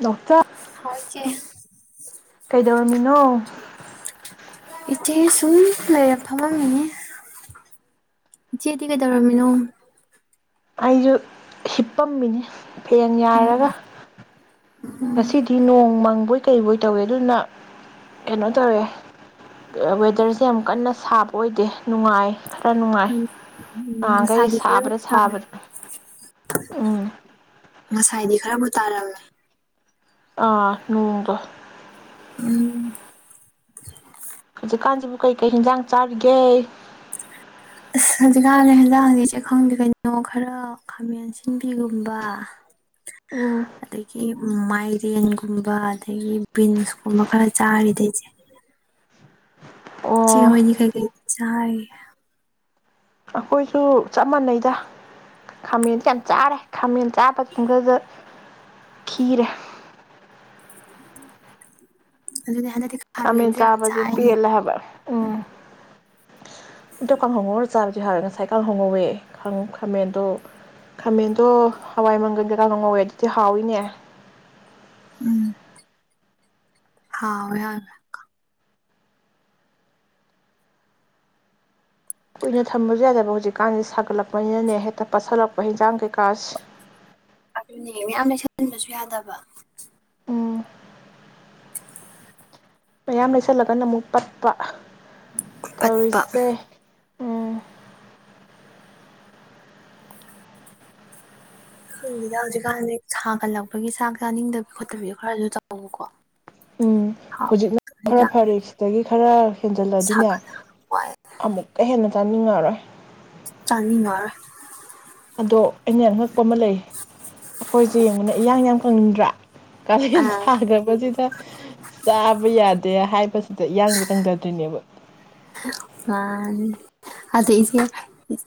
ꯅꯥꯎꯆꯥ ꯀꯩꯗꯧꯔꯝꯃꯤꯅꯣ ꯏꯆꯦ ꯁꯨꯝ ꯂꯩꯔ ꯐꯝꯃꯝꯃꯤꯅꯦ ꯏꯆꯦꯗꯤ ꯀꯩꯗꯧꯔꯝꯃꯤꯅꯣ ꯑꯩꯁꯨ ꯍꯤꯞꯄꯝꯃꯤꯅꯤ ꯐꯦꯜ ꯎꯝ ꯌꯥꯏꯔꯒ ꯉꯁꯤꯗꯤ ꯅꯣꯡ ꯃꯪꯕꯣꯏ ꯀꯩꯕꯨꯣꯏ ꯇꯧꯋꯦ ꯑꯗꯨꯅ ꯀꯩꯅꯣ ꯇꯧꯋꯦ ꯋꯦꯗꯔꯁꯦ ꯌꯥꯝ ꯀꯟꯅ ꯁꯥꯕ ꯑꯣꯏꯗꯦ ꯅꯨꯡꯉꯥꯏ ꯈꯔ ꯅꯨꯡꯉꯥꯏ ꯎꯝ ꯎꯝ ꯅꯍꯥꯟꯈꯩ ꯉꯁꯥꯏꯗꯤ ꯁꯥꯕꯗ ꯈꯔ ꯁꯥꯕꯗꯥ ꯎꯝ ꯉꯁꯥꯏꯗꯤ ꯈꯔꯕꯨ ꯇꯥꯔꯝꯃꯤ ꯑꯥ ꯅꯣꯡꯗꯣ ꯎꯝ ꯍꯧꯖꯤꯛꯀꯥꯟꯁꯤꯕꯨ ꯀꯩꯀꯩ ꯏꯟꯖꯥꯡ ꯆꯥꯔꯤꯒꯦ ꯑꯁ ꯍꯧꯖꯤꯛꯀꯥꯟꯅ ꯏꯟꯖꯥꯡ ꯍꯧꯖꯤꯛꯁꯦꯈꯪꯗꯦ ꯀꯩꯅꯣ ꯈꯔ ꯈꯥꯃꯦꯟ ꯁꯤꯟꯕꯤꯒꯨꯝꯕ ꯎꯝ ꯑꯗꯒꯤ ꯃꯥꯏꯔꯦꯟꯒꯨꯝꯕ ꯑꯗꯒꯤ ꯕꯤꯟꯁꯀꯨꯝꯕ ꯈꯔ ꯆꯥꯔꯤꯗ ꯏꯁꯦ ꯏꯆꯦ ꯑꯣ ꯍꯣꯏꯗꯤ ꯀꯩꯀꯩ ꯆꯥꯔꯤꯒꯦ ꯑꯩꯈꯣꯏꯁꯨ ꯆꯞ ꯃꯥꯟꯅꯩꯗ ꯈꯥꯃꯦꯟꯁꯦ ꯌꯥꯝ ꯆꯥꯔꯦ ꯈꯥꯃꯦꯟ ꯆꯥꯕ ꯃꯇꯨꯡꯗꯗ ꯈꯤꯔꯦ ꯑꯗꯨ ꯈꯥꯃꯦꯟ ꯆꯥꯕꯁꯦ ꯄꯦꯜꯂꯦ ꯍꯥꯏꯕ ꯎꯝ ꯑꯗꯣ ꯀꯥꯡꯍꯧ ꯆꯥꯕꯗꯤ ꯍꯥꯎꯋꯦ ꯉꯁꯥꯏ ꯀꯥꯡ ꯍꯣꯡꯉꯧꯋꯦ ꯈꯥꯃꯦꯟꯗꯣ ꯈꯥꯃꯦꯟꯗꯣ ꯍꯋꯥꯏ ꯃꯪꯒꯟꯗ ꯀꯥꯡ ꯍꯣꯡ ꯉꯧꯋꯦ ꯑꯗꯨꯗꯤ ꯍꯥꯎꯋꯤꯅꯦ ꯎꯝ ꯍꯥꯎꯋꯦ ꯀꯨꯏꯅ ꯊꯝꯕꯁꯨ ꯌꯥꯗꯕ ꯍꯧꯖꯤꯛꯀꯥꯟꯗꯤꯦ ꯁꯥꯒꯠꯂꯛꯄꯅꯤꯅꯅꯦ ꯍꯦꯛꯇ ꯄꯠꯁꯤꯜꯂꯛꯄ ꯍꯟꯖꯥꯡ ꯀꯩꯀꯥꯁ ꯑꯗꯨꯅꯦ ꯃꯌꯥꯝ ꯂꯩꯁꯟꯟꯕꯁꯨ ꯌꯥꯗꯕ ꯎꯝ ꯃꯌꯥꯝ ꯂꯩꯁꯜꯂꯒꯅ ꯑꯃꯨꯛ ꯄꯠꯄ ꯄꯠꯄ ꯇꯧꯔꯤꯁꯦ ꯎꯝ ꯑꯩꯈꯣꯏꯁꯤꯗ ꯍꯧꯖꯤꯛꯀꯥꯟꯗꯤ ꯁꯥꯒꯠꯂꯛꯄꯒꯤ ꯆꯥꯛ ꯆꯥꯅꯤꯡꯗꯕꯤ ꯈꯣꯠꯇꯕꯤ ꯈꯔꯁꯨ ꯇꯕꯀꯣ ꯎꯝ ꯍꯧꯖꯤꯛꯅ ꯈꯔ ꯐꯔꯦ ꯁꯤꯗꯒꯤ ꯈꯔ ꯍꯦꯟꯖꯜꯂꯗꯤꯅꯦ ꯁꯥꯒꯠꯂꯛꯄꯋꯥꯏ ꯑꯃꯨꯛꯀ ꯍꯦꯟꯅ ꯆꯥꯅꯤꯡꯉꯔꯣꯏ ꯆꯅꯤꯅꯔ ꯑꯗꯣ ꯑꯩꯅ ꯑꯉꯛꯄ ꯑꯃ ꯂꯩ ꯑꯩꯈꯣꯏꯁꯦ ꯌꯦꯡꯕꯅ ꯏꯌꯥꯡ ꯌꯥꯝ ꯈꯪꯅꯤꯡꯗ꯭ꯔꯥ ꯀꯥꯂꯦꯟ ꯑꯥ ꯁꯥꯗꯕꯁꯤꯗ ꯆꯥꯕ ꯌꯥꯗꯦ ꯍꯥꯏꯕꯁꯤꯗ ꯏꯌꯥꯡꯁꯦ ꯀꯪꯖꯗ꯭ꯣꯏꯅꯦꯕ ꯑꯗꯣ ꯏꯆꯦ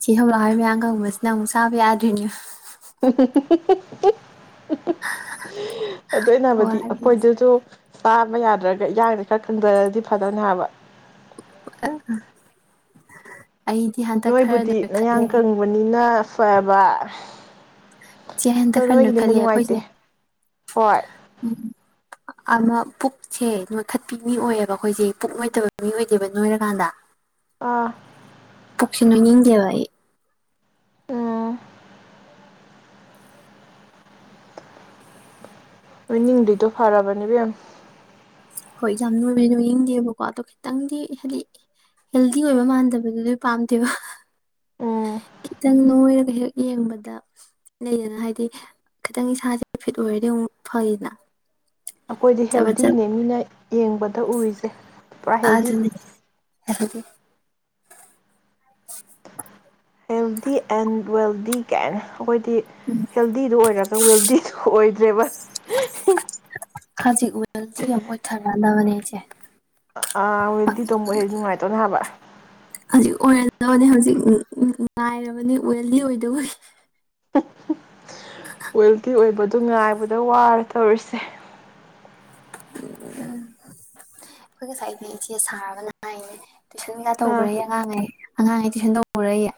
ꯏꯦ ꯍꯧꯧꯂꯛꯍꯣꯏ ꯃꯌꯥꯝꯒꯪꯕꯁꯤꯅ ꯑꯃꯨꯛ ꯆꯥꯕ ꯌꯥꯗ꯭ꯔꯤꯅꯦ ꯍꯨꯝ ꯍꯨꯝ ꯍꯨꯝ ꯍꯨꯝ ꯑꯗꯨ ꯅꯕꯗꯤ ꯋꯥꯗꯤ ꯑꯩꯈꯣꯏꯗꯁꯨ ꯆꯥꯕ ꯌꯥꯗ꯭ꯔꯒ ꯏꯔꯥꯡꯁꯦ ꯈꯔ ꯈꯪꯖꯂꯗꯤ ꯐꯗꯕꯅꯦ ꯍꯥꯏꯕ ꯑ ꯅꯣꯏꯕꯨꯗꯤ ꯅꯌꯥ ꯀꯪꯕꯅꯤꯅ ꯐꯦꯕ ꯏꯆꯦ ꯍꯟꯗꯛ ꯀꯟꯅ ꯈꯜꯂꯤ ꯑꯩꯈꯣꯏꯁꯦ ꯍꯣꯏ ꯎꯝ ꯑꯃ ꯄꯨꯛꯁꯦ ꯅꯣꯊꯠꯄꯤ ꯃꯤ ꯑꯣꯏꯑꯕ ꯑꯩꯈꯣꯏꯁꯦ ꯄꯨꯛ ꯅꯣꯏꯗꯕ ꯃꯤ ꯑꯣꯏꯗꯦꯕ ꯅꯣꯏꯔꯀꯥꯟꯗ ꯑ ꯄꯁꯤꯅ ꯃꯤꯖꯦꯋꯥꯏ ꯑ ꯃꯣꯏꯅꯤꯡꯗꯨꯗꯣ ꯐꯔꯕꯅꯦꯕꯦꯝ ꯍꯣꯏ ꯌꯥꯝ ꯅꯣꯏꯔꯦ ꯅꯣꯏ ꯌꯦꯡꯗꯦꯕꯀꯣ ꯑꯗꯣ ꯈꯤꯇꯪꯗꯤ ꯍꯥꯏꯗꯤ ꯍꯦꯜꯗꯤ ꯑꯣꯏꯕ ꯃꯥꯟꯗꯕꯗꯨꯗꯤ ꯄꯥꯝꯗꯦꯕ ꯎꯝ ꯈꯤꯇꯪ ꯅꯣꯏꯔꯒ ꯍꯦꯛ ꯌꯦꯡꯕꯗ ꯂꯩꯗꯅ ꯍꯥꯏꯗꯤ ꯈꯤꯇꯪ ꯏꯁꯥꯁꯦ ꯐꯤꯠ ꯑꯣꯏꯔꯗꯤ ꯑꯃꯨꯛ ꯐꯉꯅ ꯑꯩꯈꯣꯏꯗꯤ ꯍꯦꯜꯗꯤꯅꯦ ꯃꯤꯅ ꯌꯦꯡꯕꯗ ꯎꯔꯤꯁꯦ ꯄꯨꯔꯥ ꯑꯗꯨ ꯍꯦꯜꯗꯤ ꯑꯗꯨꯅꯦ ꯍꯥꯏꯗꯤ ꯍꯦꯜꯦꯜꯗꯤ ꯑꯦꯟ ꯋꯦꯜꯗꯤ ꯀꯦꯟ ꯑꯩꯈꯣꯏꯗꯤ ꯍꯦꯜꯗꯤꯗ ꯑꯣꯏꯔꯒ ꯋꯦꯜꯗꯤꯁꯨ ꯑꯣꯏ ꯖꯕ ꯍꯖꯤ ꯎ ꯍꯦꯜꯗꯤ ꯑꯃ ꯑꯣꯏꯊꯔꯛꯑꯂꯕꯅꯦ ꯆꯦ ꯑꯥ ꯋꯦꯜꯗꯤ ꯇꯣꯝꯕꯨ ꯍꯦ ꯅꯨꯡꯉꯥꯏꯇꯧꯅꯦ ꯍꯥꯏꯕ ꯍꯧꯖꯤꯛ ꯑꯣꯏꯔꯝꯗꯕꯅꯤ ꯍꯧꯖꯤꯛ ꯉꯥꯏꯔꯕꯅꯤ ꯋꯦꯜꯗꯤ ꯑꯣꯏꯗꯕ ꯍ ꯋꯦꯜꯗꯤꯤ ꯑꯣꯏꯕ ꯉꯥꯏꯕꯗ ꯋꯥꯔ ꯇꯧꯔꯤꯁꯦ ꯎꯝ ꯑꯩꯈꯣꯏ ꯉꯁꯥꯏꯅꯦ ꯏꯆꯦ ꯁꯥꯕꯅ ꯍꯥꯏꯅꯦ ꯇꯨꯏꯁꯟꯒ ꯑꯥ ꯇꯧꯕ꯭ꯔꯦ ꯑꯉꯥꯡꯉꯩ ꯑꯉꯥꯡ ꯑꯩ ꯇꯨꯏꯁꯟ ꯇꯧꯔꯏꯌꯦ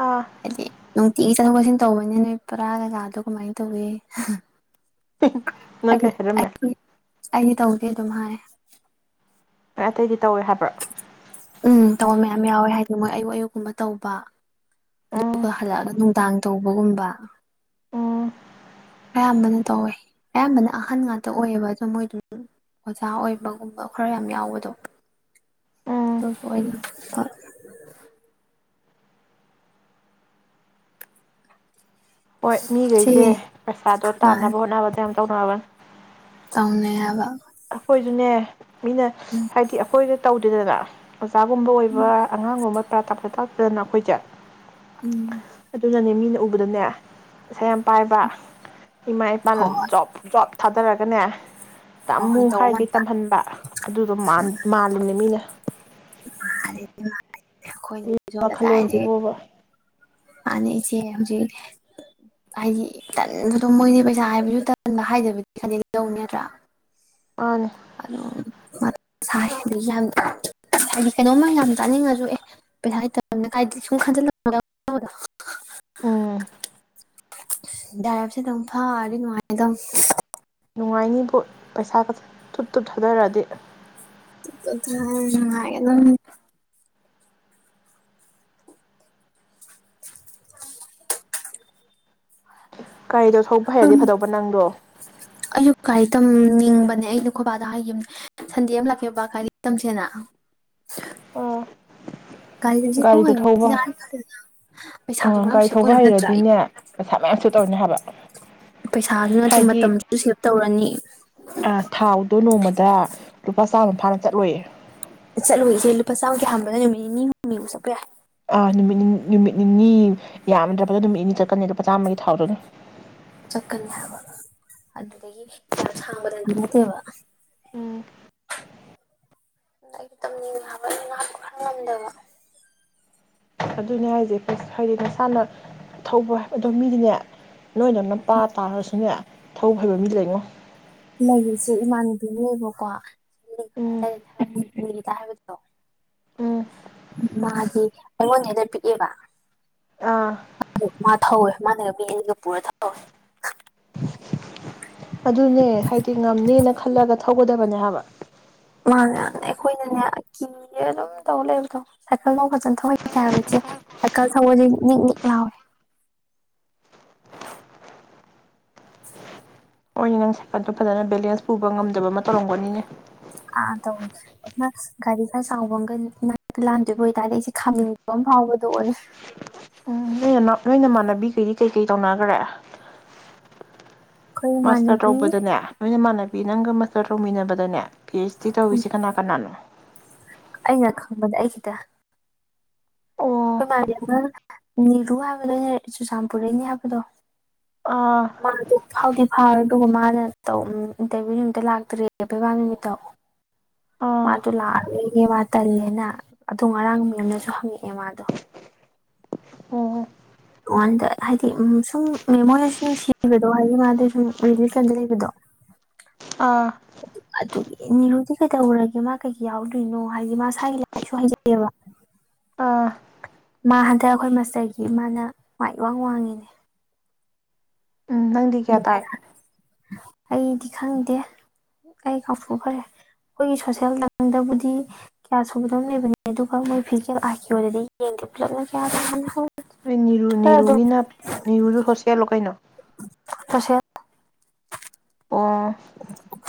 ꯑꯥ ꯍꯥꯏꯗꯤ ꯅꯨꯡꯇꯤꯒꯤ ꯆꯠꯊꯣꯛ ꯆꯠꯁꯤꯟ ꯇꯧꯕꯅꯤꯅ ꯅꯣꯏ ꯄꯔꯥ ꯀꯩꯀꯥꯗꯣ ꯀꯃꯥꯏꯅ ꯇꯧꯏꯤ ꯅꯪ ꯀꯩꯔꯃꯦ ꯑꯩꯗꯤ ꯇꯧꯗꯦ ꯑꯗꯨꯝ ꯍꯥꯏ ꯑꯦꯠꯇꯗꯤ ꯇꯧꯋꯦ ꯍꯥꯏꯕ꯭ꯔꯥ ꯎꯝ ꯇꯧꯕ ꯃꯌꯥꯝ ꯌꯥꯎꯋꯦ ꯍꯥꯏꯗꯤ ꯃꯣꯏ ꯑꯌꯨꯛ ꯑꯌꯨꯛꯀꯨꯝꯕ ꯇꯧꯕ ꯎꯝ ꯑꯗꯨꯒꯗꯨꯒ ꯍꯜꯂꯛꯑꯒ ꯅꯨꯡꯗꯥꯡ ꯇꯧꯕꯒꯨꯝꯕ ꯎꯝ ꯑꯌꯥꯝꯕꯅ ꯇꯧꯋꯦ ꯑꯌꯥꯝꯕꯅ ꯑꯍꯟ ꯉꯥꯛꯇ ꯑꯣꯏꯑꯦꯕ ꯑꯗꯣ ꯃꯣꯏꯗꯨ ꯑꯣꯖꯥ ꯑꯣꯏꯕꯒꯨꯝꯕ ꯈꯔ ꯌꯥꯝ ꯌꯥꯎꯕꯗꯣ ꯎꯝ ꯑꯗꯨꯁꯨ ꯑꯣꯏꯅ ꯍꯣꯏ ꯁꯤ ꯃꯤꯈꯩꯁꯦ ꯄꯩꯁꯥꯗꯣ ꯇꯥꯟꯅꯕ ꯍꯣꯠꯅꯕꯗ ꯌꯥꯝ ꯇꯧꯅꯒꯅꯤ ꯇꯧꯅ ꯍꯥꯏꯕ ꯑꯩꯈꯣꯏꯁꯨꯅꯦ ꯃꯤꯅ ꯍꯥꯏꯗꯤ ꯑꯩꯈꯣꯏꯗ ꯇꯧꯗꯦꯗꯅ ꯑꯣꯖꯥꯒꯨꯝꯕ ꯑꯣꯏꯕ ꯑꯉꯥꯡꯒꯨꯝꯕ ꯄꯨꯔꯥ ꯇꯥꯞ ꯇꯥꯛꯇꯗꯅ ꯑꯩꯈꯣꯏꯁꯦ ꯎꯝ ꯑꯗꯨꯖꯅꯤ ꯃꯤꯅ ꯑꯗꯨꯗꯨꯅꯦ ꯉꯁꯥ ꯌꯥꯝ ꯄꯥꯏꯕ ꯏꯃꯥꯏ ꯄꯥꯅ ꯍꯣꯏ ꯍꯣꯏ ꯞ ꯞ ꯊꯥꯗꯔꯒꯅꯦ ꯍꯣꯏ ꯇꯃꯨ ꯍꯣꯏ ꯈꯥꯏ ꯇꯧꯕ ꯀꯩ ꯉꯥꯛꯇ ꯇꯝꯍꯟꯕ ꯑꯗꯨꯗꯣ ꯃꯥꯜꯂꯤꯅꯦ ꯃꯤꯅ ꯃꯥꯦ ꯋꯥꯈꯜꯂꯣꯟꯁꯤꯕꯣꯕ ꯃꯥꯅ ꯏꯆꯦ ꯍꯧꯖꯤꯛ ꯍꯥꯏꯗꯤ ꯇꯟꯕꯗꯣ ꯃꯣꯏꯗꯤ ꯄꯩꯁꯥ ꯍꯥꯏꯕꯁꯨ ꯇꯟꯕ ꯍꯥꯏꯗꯕꯗꯤ ꯐꯅꯦꯛ ꯌꯧ ꯅꯠꯇ꯭ꯔꯥ ꯑꯅꯦ ꯑꯣꯥꯏꯗꯤ ꯌꯥꯝ ꯍꯥꯏꯗꯤ ꯀꯩꯅꯣꯝꯃ ꯌꯥꯝ ꯆꯥꯅꯤꯡꯉꯁꯨ ꯑꯦ ꯄꯩꯁꯥꯇꯅꯤ ꯀ ꯁꯨꯝ ꯈꯟꯖꯤꯜꯗꯣ ꯎꯝ ꯗꯥꯏꯔꯞꯁꯦ ꯑꯗꯨꯝ ꯐꯔꯗꯤ ꯅꯨꯡꯉꯥꯏ ꯑꯗꯨꯝ ꯅꯨꯡꯉꯥꯏꯅꯤꯕꯨ ꯄꯩꯁꯥ ꯈꯛꯇ ꯇꯨꯠ ꯇꯨꯠ ꯊꯥꯗꯔꯛꯑꯗꯤ ꯊꯔ ꯍꯥꯏꯒꯦꯗ [inaudible] ꯒꯥꯔꯤꯗꯣ ꯊꯧꯕ ꯍꯩꯔꯗꯤ ꯐꯗꯣꯛꯄ ꯅꯪꯗꯣ ꯑꯩꯁꯨ ꯒꯥꯔꯤ ꯇꯝꯅꯤꯡꯕꯅꯦ ꯑꯩꯅ ꯈꯣꯏꯕꯥꯗꯣ ꯍꯥꯏꯈꯤꯕꯅꯦ ꯁꯟꯗꯦ ꯑꯃ ꯂꯥꯛꯀꯦ ꯕꯕꯥ ꯀꯥꯏꯗ ꯇꯝꯁꯦꯅ ꯒꯥꯔꯤ ꯇꯝꯁꯦ ꯒꯥꯔꯤꯗꯣ ꯊꯧꯕ ꯑ ꯄꯩꯁꯥꯁꯨ ꯃꯌꯥꯝ ꯒꯥꯔꯤ ꯁꯦꯞ ꯊꯧꯕ ꯑꯣꯏꯕ ꯅꯠꯇ꯭ꯔꯥ ꯍꯩꯔꯗꯤꯅꯦ ꯄꯩꯁꯥ ꯃꯌꯥꯝꯁꯨ ꯇꯧꯅꯤ ꯍꯥꯏꯕ ꯄꯩꯁꯥꯁꯨ ꯅꯠꯇꯦ ꯍꯥꯏꯗꯤ ꯃꯇꯝꯁꯨ ꯁꯦꯞ ꯇꯧꯔꯅꯤ ꯑ ꯊꯥꯎꯗꯣ ꯅꯣꯡꯃꯗ ꯂꯨꯄꯥ ꯆꯥꯝꯃ ꯐꯥꯅ ꯆꯠꯂꯣꯏꯦ ꯆꯠꯂꯨꯏꯁꯦ ꯂꯨꯄꯥ ꯆꯥꯝꯃꯒꯤ ꯍꯥꯟꯕꯅ ꯅꯨꯃꯤꯠ ꯅꯤ ꯍꯨꯝꯅꯤꯐꯨ ꯆꯠꯄ ꯌꯥꯏ ꯑꯥ ꯅꯨꯃꯤꯠ ꯅꯨꯃꯤꯠ ꯅꯤꯅꯤ ꯌꯥꯝꯗ꯭ꯔꯕꯗ ꯅꯨꯃꯤꯠ ꯅꯤꯅꯤ ꯆꯠꯀꯅꯤ ꯂꯨꯄꯥ ꯆꯥꯝꯃꯒꯤ ꯊꯥꯎꯗꯨꯅꯦ ꯆꯠꯀꯅꯤ ꯍꯥꯏꯕ ꯑꯗꯨꯗꯒꯤ ꯌꯥꯝ ꯌꯥꯝ ꯁꯥꯡꯕꯗꯗꯤ ꯅꯠꯇꯦꯕ ꯎꯝ ꯇꯝꯅꯤꯡ ꯍꯥꯏꯕ ꯉꯄ ꯈ ꯉꯝꯗꯕ ꯑꯗꯨꯅꯦ ꯍꯥꯏꯁꯦꯁ ꯍꯥꯏꯗꯤ ꯅꯁꯥꯅ ꯊꯧꯕ ꯑꯗꯣ ꯃꯤꯗꯤꯅꯦ ꯅꯣꯏꯗꯅꯄꯥꯥ ꯇꯥꯔꯁꯨꯅꯦ ꯊꯧ ꯐꯩꯕ ꯃꯤ ꯂꯩꯉꯣ ꯂꯩꯔꯤꯁꯤ ꯏꯃꯥꯟꯅꯕꯤꯅꯦꯕꯀꯣꯗ ꯎꯝ ꯍꯥꯏꯕꯗꯣ ꯎꯝ ꯃꯥꯗꯤ ꯑꯩꯉꯣꯟꯗ ꯍꯦꯗ ꯄꯤꯛꯑꯦꯕ ꯑꯥ ꯑꯗꯨ ꯃꯥ ꯊꯧꯋꯦ ꯃꯥꯅꯒ ꯃꯤ ꯑꯅꯤꯒ ꯄꯨꯔ ꯊꯧꯋꯦ ꯑꯗꯨꯅꯦ ꯍꯥꯏꯗꯤ ꯉꯝꯅꯦꯅ ꯈꯜꯂꯒ ꯊꯧꯒꯗꯕꯅꯦ ꯍꯥꯏꯕ ꯃꯥꯅꯦ ꯑꯩꯈꯣꯏꯅꯅꯦ ꯑꯀꯤꯅꯦꯦ ꯑꯗꯨꯝ ꯇꯧ ꯂꯩꯕꯗꯣ ꯁꯥꯏꯀꯜꯗꯣ ꯐꯖꯅ ꯊꯧꯍꯩꯇꯦ ꯍꯥꯏꯕ ꯏꯆꯦ ꯁꯥꯏꯀꯜ ꯊꯧꯕꯁꯦ ꯅꯤꯛ ꯅꯤꯛ ꯂꯥꯎꯋꯦ ꯃꯣꯏꯅꯤ ꯅꯪ ꯁꯥꯏꯀꯜꯗꯣ ꯐꯖꯅ ꯕꯦꯂꯦꯟꯁ ꯄꯨꯕ ꯉꯝꯗꯕ ꯑꯃ ꯇꯧꯔꯝꯒꯅꯤꯅꯦ ꯑꯥ ꯇꯧꯋꯦ ꯑꯗꯨꯅ ꯒꯥꯔꯤ ꯈꯔ ꯆꯥꯎꯕ ꯑꯃꯒ ꯏꯅꯥꯛꯇ ꯂꯥꯟꯗꯣꯏꯕ ꯑꯣꯏꯇꯥꯔꯗꯤ ꯑꯩꯁꯦ ꯈꯥꯝꯅꯤꯡꯕ ꯑꯃ ꯐꯥꯎꯕꯗꯣ ꯑꯣꯏꯔꯦ ꯅꯣꯏꯅ ꯅꯣꯏꯅ ꯃꯃꯅꯕꯤꯈꯩꯗꯤ ꯀꯩꯀꯩ ꯇꯧꯅꯈ꯭ꯔꯦ ꯃꯥꯁꯇꯔ ꯑꯩꯈꯣꯏꯃꯅꯕꯤ ꯇꯧꯕꯗꯅꯦ ꯅꯣꯏ ꯏꯃꯥꯟꯅꯕꯤ ꯅꯪꯒ ꯃꯁꯇꯔ ꯇꯧꯃꯤꯟꯅꯕꯗꯅꯦ ꯄꯤ ꯑꯩꯆ ꯗꯤ ꯇꯧꯔꯤꯁꯤ ꯀꯅꯥ ꯀꯅꯥꯅꯣ ꯑꯩꯅ ꯈꯪꯕꯗ ꯑꯩ ꯈꯤꯇ ꯑꯣ ꯑꯩꯈꯣꯏ ꯃꯥꯔꯤꯕ ꯅꯤꯔꯨ ꯍꯥꯏꯕꯗꯅꯦ ꯆꯨꯔꯆꯥꯟꯄꯨꯔꯩꯅꯦ ꯍꯥꯏꯕꯗꯣ ꯑꯥ ꯍꯥꯎꯗꯤ ꯐꯥꯔ ꯑꯗꯨꯒ ꯃꯥꯅ ꯏꯟꯇꯔꯚꯤꯌꯨ ꯅꯨꯃꯤꯠꯇ ꯂꯥꯛꯇꯔꯤꯦ ꯄꯩꯕꯥ ꯅꯨꯃꯤꯠꯇꯣ ꯑꯥ ꯃꯥꯗꯨ ꯂꯔ ꯦ ꯃꯥ ꯇꯜꯂꯦꯅ ꯑꯗꯣ ꯉꯔꯥꯡ ꯃꯤ ꯑꯃꯅꯁꯨ ꯍꯪꯉꯛꯑꯦ ꯃꯥꯗꯣ ꯑꯣ ꯑꯣꯗ ꯍꯥꯏꯗꯤ ꯁꯨꯝ ꯃ ꯃꯣꯏꯅ ꯁꯨꯝ ꯅꯨꯡꯁꯤꯕꯗꯣ ꯍꯥꯏꯗꯤ ꯃꯥꯗ ꯁꯨꯝ ꯔꯤꯂꯤꯞꯟꯗ ꯂꯩꯕꯗꯣ ꯑꯥ ꯑꯗꯨꯒꯤ ꯅꯤꯔꯨꯗꯤ ꯀꯩꯗꯧꯔꯒꯦ ꯃꯥ ꯀꯩꯀꯩ ꯌꯥꯎꯗꯣꯏꯅꯣ ꯍꯥꯏꯗꯤ ꯃꯥ ꯏꯁꯥꯒꯤ ꯂꯥꯏꯔꯤꯛꯁꯨ ꯍꯩꯖꯩꯑꯦꯕ ꯑꯥ ꯃꯥ ꯍꯟꯗꯛ ꯑꯩꯈꯣꯏ ꯃꯥꯁꯇꯔꯒꯤ ꯃꯥꯅ ꯃꯏ ꯋꯥꯡ ꯋꯥꯡꯉꯤꯅꯦ ꯎꯝ ꯅꯪꯗꯤ ꯀꯌꯥ ꯇꯥꯏ ꯑꯗꯨꯃꯥꯏꯅ ꯑꯩꯗꯤ ꯈꯪꯗꯦ ꯑꯩ ꯀꯐꯨ ꯐꯔꯦ ꯑꯩꯈꯣꯏꯒꯤ ꯁꯣꯁꯦꯜ ꯂꯝꯗꯕꯨꯗꯤ ꯀꯌꯥ ꯁꯨꯕꯗꯣ ꯂꯩꯕꯅꯤ ꯑꯗꯨꯒ ꯃꯣꯏ ꯐꯤꯖꯤꯀꯦꯜ ꯑꯥꯏ ꯀ ꯑꯣꯏꯗꯗꯤ ꯌꯦꯡꯗꯦ ꯄꯨꯂꯞꯅ ꯀꯌꯥ ꯇ ꯍꯧ ꯅꯤꯔꯨ ꯅꯤꯔꯨꯒꯤꯅꯅꯥ ꯅꯤꯔꯨꯗꯨ ꯁꯣꯁꯤꯂꯣ ꯀꯥꯏꯩꯅꯣ ꯇꯁꯦ ꯑꯣ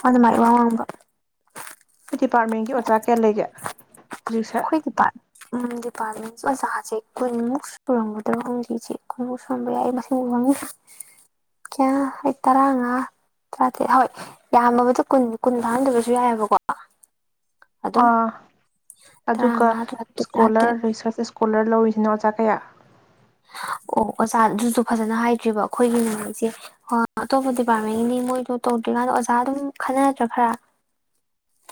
ꯑꯗ ꯃꯥ ꯋꯥꯝꯕ ꯅꯣꯏ ꯗꯤꯄꯥꯔꯠꯃꯦꯟꯒꯤ ꯑꯣꯖꯥ ꯀꯌꯥ ꯂꯩꯒꯦ ꯍꯧꯖꯤꯛꯁꯦ ꯈꯣꯏꯗꯤ ꯄ ꯎꯗꯤ ꯄꯅꯤ ꯑꯣꯖꯥꯁꯦ ꯀꯨꯟꯃꯨꯛ ꯁꯨꯔꯒꯗ ꯍꯪꯈꯤ ꯏꯆꯦ ꯀꯨꯟꯃꯨꯛ ꯁꯨꯔꯝꯕ ꯌꯥꯏ ꯃꯁꯤꯡꯕꯨ ꯍꯪꯗꯦ ꯀꯌꯥ ꯑꯩ ꯇꯔꯥꯉꯥ ꯇꯔꯥꯇꯔꯦꯠ ꯍꯣꯏ ꯌꯥꯝꯃꯕꯗ ꯀꯨꯟ ꯀꯨꯟ ꯐꯍꯟꯗꯕꯁꯨ ꯌꯥꯏꯑꯕꯀꯣ ꯑꯗꯨꯝ ꯑꯥ ꯑꯗꯨꯒ ꯇꯔꯥꯃꯉꯥ ꯇꯔꯥꯇꯔꯨꯛ ꯇꯔꯥꯇꯔꯦꯠ ꯏꯁꯀꯣꯂꯔ ꯔꯤꯁꯔꯁ ꯏꯁꯀꯣꯂꯔ ꯂꯧꯔꯤꯁꯤꯅꯣ ꯑꯣꯖꯥ ꯀꯌꯥ ꯑꯣ ꯑꯣꯖꯥ ꯑꯗꯨꯁꯨ ꯐꯖꯅ ꯍꯥꯏꯗ꯭ꯔꯤꯕ ꯑꯩꯈꯣꯏꯒꯤ ꯅꯨꯃꯤꯠꯁꯦ ꯑꯇꯣꯞꯄ ꯗꯤꯄꯥꯔꯠꯃꯦꯟꯒꯤꯅꯤ ꯃꯣꯏꯗꯣ ꯇꯧꯗ꯭ꯔꯤꯀꯥꯟꯗ ꯑꯣꯖꯥ ꯑꯗꯨꯝ ꯈꯟꯅꯗ꯭ꯔꯥ ꯈꯔ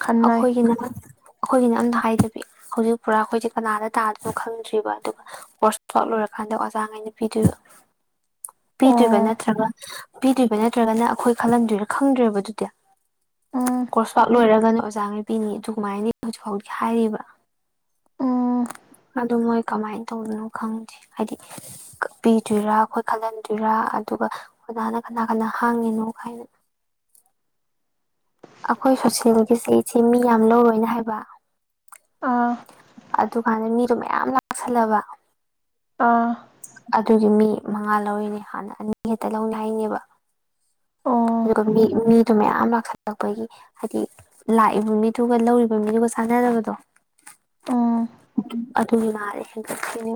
ꯈꯟꯅꯩ ꯑꯩꯈꯣꯏꯒꯤꯅꯦ ꯑꯩꯈꯣꯏꯒꯤꯅ ꯑꯝꯇ ꯍꯥꯏꯗꯕꯤ ꯍꯧꯖꯤꯛ ꯄꯨꯔꯥ ꯑꯩꯈꯣꯏꯁꯦ ꯀꯅꯥꯗ ꯇꯥꯗꯅꯣ ꯈꯪꯗ꯭ꯔꯤꯕ ꯑꯗꯨꯒ ꯀꯣꯔꯁ ꯂꯣꯏ ꯈꯟꯗꯛ ꯑꯣꯖꯥꯉꯩꯅ ꯄꯤꯗꯔꯣ ꯄꯤꯗꯣꯏꯕ ꯑꯣ ꯅꯠꯇ꯭ꯔꯒ ꯄꯤꯗꯣꯏꯕ ꯅꯠꯇ꯭ꯔꯒꯅ ꯑꯩꯈꯣꯏ ꯈꯜꯂꯝꯗꯣꯏꯔꯥ ꯈꯪꯗ꯭ꯔꯣꯏꯕ ꯑꯗꯨꯗꯤ ꯎꯝ ꯀꯣꯔꯁ ꯋꯥꯥꯛ ꯂꯣꯏꯔꯒꯅ ꯑꯣꯖꯥꯉꯩ ꯄꯤꯅꯤ ꯑꯗꯨꯃꯥꯏꯅꯅꯤ ꯍꯧꯖꯤꯛ ꯐꯥꯎꯗꯤ ꯍꯥꯏꯔꯤꯕ ꯎꯝ ꯑꯗꯨꯣ ꯃꯣꯏ ꯀꯃꯥꯏꯅ ꯇꯧꯕꯗꯣꯏꯅꯣ ꯈꯪꯗꯦ ꯍꯥꯏꯗꯤ ꯄꯤꯗꯣꯏꯔꯥ ꯈꯜꯍꯟꯗꯣꯏꯔꯥ ꯑꯗꯨꯒ ꯑꯣꯖꯅ ꯀꯅꯥ ꯀꯅꯥ ꯍꯥꯡꯉꯤꯅꯣ ꯀꯥꯏꯅ ꯑꯩꯈꯣꯏ ꯁꯣꯆꯅꯤꯜꯒꯤꯁꯦ ꯑꯩꯁꯤꯦ ꯃꯤ ꯌꯥꯝ ꯂꯧꯔꯣꯏꯅ ꯍꯥꯏꯕ ꯑꯥ ꯃꯥꯗ ꯃꯤꯗꯣ ꯃꯌꯥꯝ ꯂꯥꯛꯁꯜꯂꯕ ꯑꯥ ꯑꯗꯨꯒꯤ ꯃꯤ ꯃꯉꯥ ꯂꯧꯔꯤꯅꯦ ꯍꯥꯟꯅ ꯑꯅꯤ ꯍꯦꯛꯇ ꯂꯧꯅꯤ ꯍꯥꯏꯅꯦꯕ ꯑꯣ ꯑꯗꯨꯒ ꯃꯤ ꯃꯤꯗꯨ ꯃꯌꯥꯝ ꯂꯥꯛꯁꯜꯂꯛꯄꯒꯤ ꯍꯥꯏꯗꯤ ꯂꯥꯛꯏꯕ ꯃꯤꯗꯨꯒ ꯂꯧꯔꯤꯕ ꯃꯤꯗꯨꯒ ꯆꯥꯟꯅꯗꯕꯗꯣ ꯎꯝ ꯑꯗꯨꯒꯤ ꯃꯥꯔꯦ ꯍꯦꯟꯒꯠꯁꯤꯅꯦ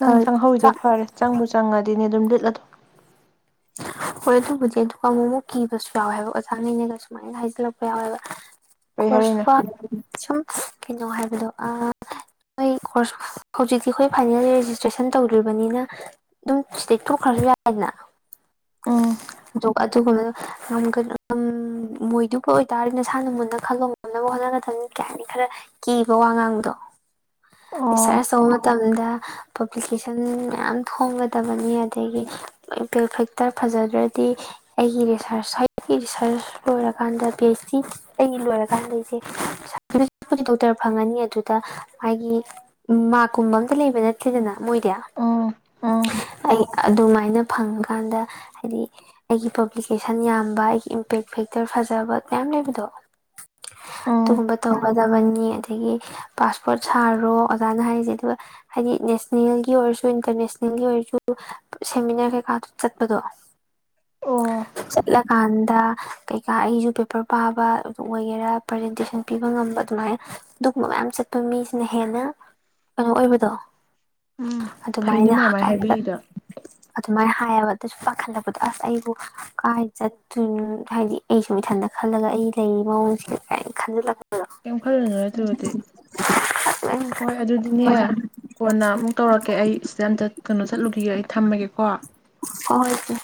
ꯅꯪ ꯆꯪꯍꯧꯋꯤꯗꯣ ꯆꯥꯛ ꯐꯔꯦ ꯆꯪꯕꯨ ꯆꯪꯉꯗꯤꯅꯦ ꯠꯂꯗꯣ ꯍꯣꯏ ꯑꯗꯨꯕꯨꯗꯤ ꯑꯗꯨꯒ ꯑꯃꯨꯛ ꯑꯃꯨꯛ ꯀꯤꯕꯁꯨ ꯌꯥꯎꯋꯦꯕ ꯑꯣꯖꯥꯅꯦꯅꯦꯒ ꯁꯨꯃꯥꯏꯅ ꯍꯥꯏꯖꯤꯜꯂꯛꯄ ꯌꯥꯎꯋꯦꯕ ꯀꯩ ꯍꯥꯏꯔꯛꯏꯅꯣ ꯈꯨꯁꯄꯥ ꯁꯨꯝ ꯀꯩꯅꯣ ꯍꯥꯏꯕꯗꯣ ꯅꯣꯏ ꯀꯣꯔꯁ ꯍꯧꯖꯤꯛꯇꯤ ꯑꯩꯈꯣꯏ ꯐꯥꯏꯅꯦꯜ ꯔꯦꯖꯤꯁꯇ꯭ꯔꯦꯁꯟ ꯇꯧꯗ꯭ꯔꯤꯕꯅꯤꯅ ꯑꯗꯨꯝ ꯁꯤꯗꯩ ꯊꯣꯛꯣꯛꯈ꯭ꯔꯁꯨ ꯌꯥꯏꯗꯅ ꯎꯝ ꯑ ꯑꯗꯨꯒꯨꯝꯕꯗ ꯉꯒ ꯃꯣꯏꯗꯨꯕꯨ ꯑꯣꯏꯇꯥꯔꯦꯗꯤ ꯅꯁꯥꯅ ꯃꯨꯟꯅ ꯈꯜꯂ ꯉꯝꯅꯕ ꯍꯣꯠꯅꯒ ꯊꯟꯅꯤ ꯀꯌꯥ ꯍꯥꯏꯅꯤ ꯈꯔ ꯀꯤꯕ ꯋꯥ ꯉꯥꯡꯕꯗꯣ ꯑꯣ ꯏꯁꯁꯔꯦ ꯁꯧꯃ ꯃꯇꯝꯗ ꯄꯕ꯭ꯂꯤꯀꯦꯁꯟ ꯃꯌꯥꯝ ꯐꯣꯡꯒꯗꯕꯅꯤ ꯑꯗꯒꯤ ꯄꯦꯜ ꯐꯦꯛꯇꯔ ꯐꯖꯗ꯭ꯔꯗꯤ ꯑꯩꯒꯤ ꯔꯤꯁꯔꯁ ꯁꯥꯏꯀꯤ ꯔꯤꯁꯥꯔꯁ ꯂꯣꯏꯔꯀꯥꯟꯗ ꯄꯤ ꯑꯩꯩꯆ ꯗꯤ ꯑꯩ ꯂꯣꯏꯔꯀꯥꯟꯗ ꯑꯩꯁꯦ ꯗꯣꯛꯇꯔ ꯐꯪꯉꯅꯤ ꯑꯗꯨꯗ ꯃꯥꯒꯤ ꯃꯥꯔꯛꯀꯨꯝꯕ ꯑꯝꯇ ꯂꯩꯕ ꯅꯠꯇꯦꯗꯅ ꯃꯣꯏꯗꯤ ꯎꯝ ꯎꯝ ꯑꯩ ꯑꯗꯨꯃꯥꯏꯅ ꯐꯪꯉꯀꯥꯟꯗ ꯍꯥꯏꯗꯤ ꯑꯩꯒꯤ ꯄꯕ꯭ꯂꯤꯀꯦꯁꯟ ꯌꯥꯝꯕ ꯑꯩꯒꯤ ꯏꯝꯄꯦꯛ ꯐꯦꯛꯇꯔ ꯐꯖꯕ ꯃꯌꯥꯝ ꯂꯩꯕꯗꯣ ꯎꯝ ꯑꯗꯨꯒꯨꯝꯕ ꯇꯧꯒꯗꯕꯅꯤ ꯑꯗꯒꯤ ꯄꯥꯁꯄꯣꯔꯠ ꯁꯥꯔꯣ ꯑꯣꯖꯥꯅ ꯍꯥꯏꯔꯤꯁꯦ ꯑꯗꯨꯒ ꯍꯥꯏꯗꯤ ꯅꯦꯁꯅꯦꯜꯒꯤ ꯑꯣꯏꯔꯁꯨ ꯏꯟꯇꯔꯅꯦꯁꯅꯦꯜꯒꯤ ꯑꯣꯏꯔꯁꯨ ꯁꯦꯃꯤꯅꯥꯔ ꯆꯠꯄꯗꯣ ꯑꯣ ꯆꯠꯂ ꯀꯥꯟꯗ ꯀꯩꯀꯥ ꯑꯩꯁꯨ ꯄꯦꯄꯔ ꯄꯥꯕ ꯑꯗꯨ ꯑꯣꯏꯒꯦꯔꯥ ꯄ꯭ꯔꯖꯦꯟꯇꯦꯁꯟ ꯄꯤꯕ ꯉꯝꯕ ꯑꯗꯨꯃꯥꯏꯅ ꯑꯗꯨꯒꯨꯝꯕ ꯃꯌꯥꯝ ꯆꯠꯄ ꯃꯤꯁꯤꯅ ꯍꯦꯟꯅ ꯀꯩꯅꯣ ꯑꯣꯏꯕꯗꯣ ꯎꯝ ꯐꯩꯩꯅ ꯑꯗꯨꯃꯥꯏꯅ ꯃꯃꯥꯏ ꯀꯥꯏꯅꯒ ꯍꯥꯏꯕꯤꯔꯤꯗꯣ ꯑꯗꯨꯃꯥꯏꯅ ꯍꯥꯏꯌꯦꯕꯗꯁꯨ ꯄꯥꯈꯠꯂꯛꯄꯗꯣ ꯑꯁ ꯑꯩꯕꯨ ꯀꯥꯏ ꯆꯠꯇꯣꯏꯅꯣ ꯍꯥꯏꯗꯤ ꯑꯩꯁꯨ ꯏꯊꯟꯇ ꯈꯜꯂꯒ ꯑꯩ ꯂꯩꯔꯤ ꯃꯑꯣꯡꯁꯦ ꯀꯅ ꯈꯟꯖꯤꯜꯂꯛꯄ ꯀꯩꯝ ꯈꯜꯂꯨꯅꯨ ꯑꯗꯨꯗꯤ ꯍꯣꯏ ꯑꯗꯨꯗꯤꯅꯦ ꯀꯣꯟꯅ ꯑꯃꯨꯛ ꯇꯧꯔꯛꯀꯦ ꯑꯩ ꯁꯤꯗ ꯑꯝꯇ ꯀꯩꯅꯣ ꯆꯠꯂꯨꯈꯤꯒꯦ ꯑꯩ ꯊꯝꯃꯒꯦꯀꯣ ꯍ ꯍꯣꯏꯁꯨ [inaudible]